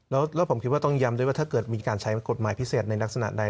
แล้วผมคิดว่าต้องย้ำด้วยว่าถ้าเกิดมีการใช้กฎหมายพิเศษในลักษณะใด